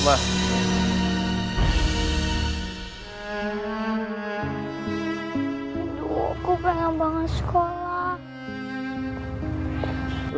aduh aku penas banget sekolah